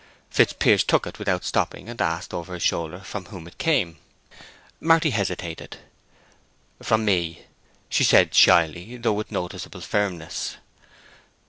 Fitzpiers took it without stopping, and asked over his shoulder from whom it came. Marty hesitated. "From me," she said, shyly, though with noticeable firmness.